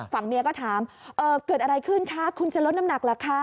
ฝั่งเมียก็ถามเกิดอะไรขึ้นคะคุณจะลดน้ำหนักเหรอคะ